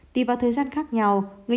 tùy vào thời gian khác nhau